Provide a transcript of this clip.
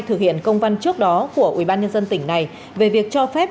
thực hiện công văn trước đó của ủy ban nhân dân tỉnh này về việc cho phép